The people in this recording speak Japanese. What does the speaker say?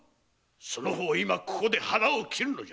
その方今ここで腹を切るのだ！